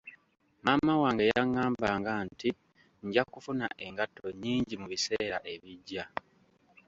Maama wange yangambanga nti nja kufuna engatto nyingi mu biseera ebijja.